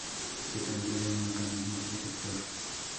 Se trata de un mecanismo protector.